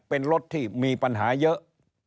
เป็นรถที่มีปัญหาเยอะ